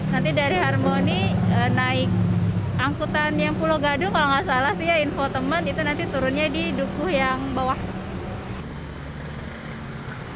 nanti dari harmoni naik angkutan yang pulau gadung kalau nggak salah sih ya info teman itu nanti turunnya di dukuh yang bawah